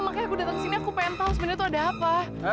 makanya aku datang ke sini aku pengen tahu sebenarnya tuh ada apa